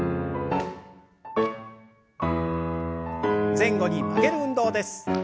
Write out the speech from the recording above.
前後に曲げる運動です。